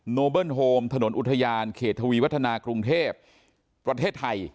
โนเบิ้ลโฮมถนนอุทยานเขตทวีวัฒนากรุงเทพประเทศไทย